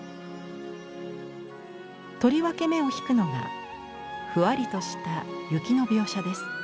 とりわけ目を引くのがふわりとした雪の描写です。